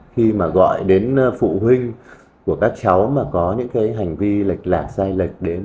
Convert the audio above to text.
khi mà gọi đến phụ huynh của các cháu mà có những cái hành vi lệch lạc sai lệch